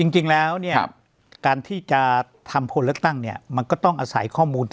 จริงแล้วเนี่ยการที่จะทำคนเลือกตั้งเนี่ยมันก็ต้องอาศัยข้อมูล